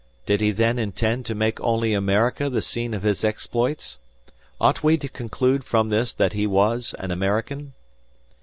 Did he then intend to make only America the scene of his exploits? Ought we to conclude from this that he was an American?